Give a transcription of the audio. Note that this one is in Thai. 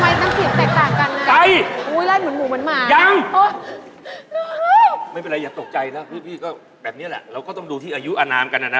ยังไม่เป็นไรอย่าตกใจนะพี่ก็แบบเนี่ยแหละเราก็ต้องดูที่อายุอนามกันนะนะ